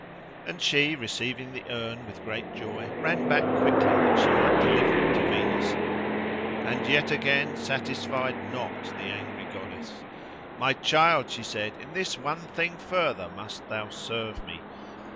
And she, receiving the urn with great joy, ran back quickly that she might deliver it to Venus, and yet again satisfied not the angry goddess. "My child!" she said, "in this one thing further must thou serve me.